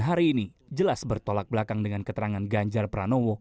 hari ini jelas bertolak belakang dengan keterangan ganjar pranowo